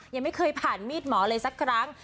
ยังไม่เคยผ่านมีดหมอเลยสักครั้ง